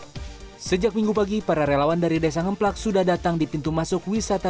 hai sejak minggu pagi para relawan dari desa ngeplak sudah datang di pintu masuk wisata